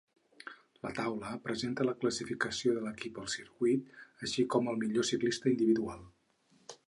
La taula presenta la classificació de l'equip al circuit, així com el millor ciclista individual.